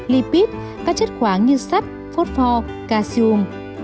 lipid các chất khoáng như sắc phốt pho calcium